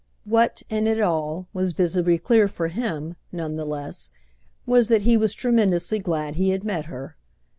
What, in it all, was visibly clear for him, none the less, was that he was tremendously glad he had met her.